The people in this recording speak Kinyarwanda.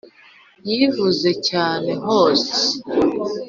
Yivuze cyane hose